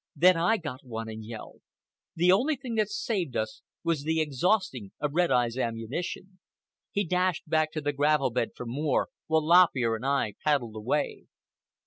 Then I got one and yelled. The only thing that saved us was the exhausting of Red Eye's ammunition. He dashed back to the gravel bed for more, while Lop Ear and I paddled away.